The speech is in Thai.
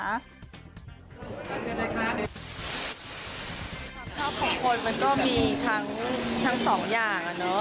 ความชอบของคนมันก็มีทั้งสองอย่าง